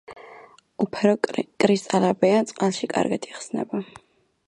უფერო კრისტალებია, წყალში კარგად იხსნება.